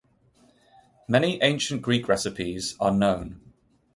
Many ancient Greek recipes are known.